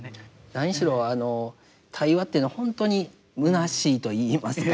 何しろ対話というのはほんとにむなしいと言いますか。